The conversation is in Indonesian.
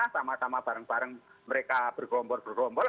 sama sama bareng bareng mereka bergerombol gerombol